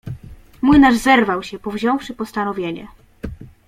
Młynarz zerwał się, powziąwszy postanowienie.